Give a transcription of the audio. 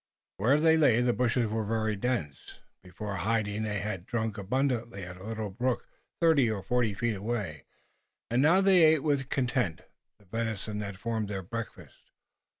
Where they lay the bushes were very dense. Before hiding there they had drunk abundantly at a little brook thirty or forty feet away, and now they ate with content the venison that formed their breakfast.